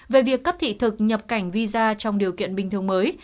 về việc cấp thị thực nhập cảnh visa trong điều kiện bình thường mới